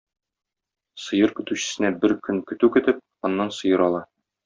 Сыер көтүчесенә бер көн көтү көтеп, аннан сыер ала.